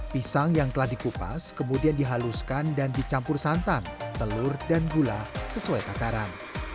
pisang yang telah dikupas kemudian dihaluskan dan dicampur santan telur dan gula sesuai takaran